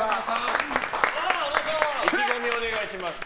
意気込みをお願いします。